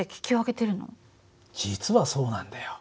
実はそうなんだよ。